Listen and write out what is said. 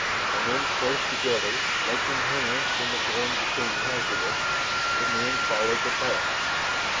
And then, close together, linking hands when the going became hazardous, the men followed the path.